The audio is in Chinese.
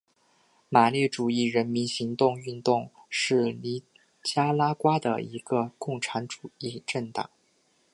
马列主义人民行动运动是尼加拉瓜的一个共产主义政党。